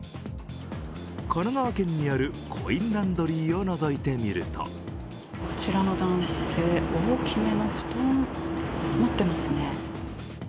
神奈川県にあるコインランドリーを覗いてみるとこちらの男性、大きめの布団を持っていますね。